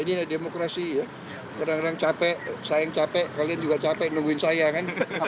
ini demokrasi ya kadang kadang capek saya yang capek kalian juga capek nungguin saya kan